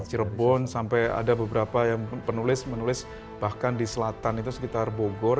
cirebon sampai ada beberapa penulis penulis bahkan di selatan itu sekitar bogor